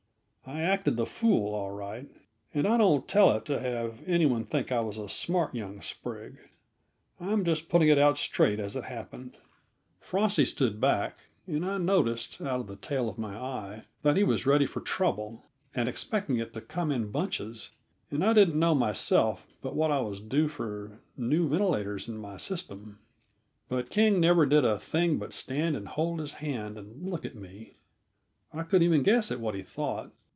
I acted the fool, all right, and I don't tell it to have any one think I was a smart young sprig; I'm just putting it out straight as it happened. Frosty stood back, and I noticed, out of the tail of my eye, that he was ready for trouble and expecting it to come in bunches; and I didn't know, myself, but what I was due for new ventilators in my system. But King never did a thing but stand and hold his hand and look at me. I couldn't even guess at what he thought.